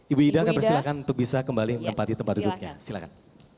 ibu ida akan persilahkan untuk bisa kembali menempati tempat duduknya silakan